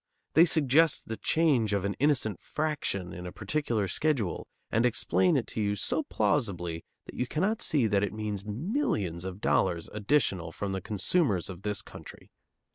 They suggest the change of an innocent fraction in a particular schedule and explain it to you so plausibly that you cannot see that it means millions of dollars additional from the consumers of this country.